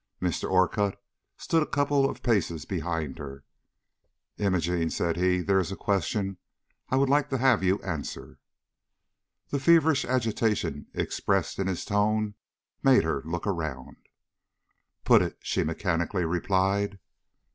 Mr. Orcutt stood a couple of paces behind her. "Imogene," said he, "there is a question I would like to have you answer." The feverish agitation expressed in his tone made her look around. "Put it," she mechanically replied.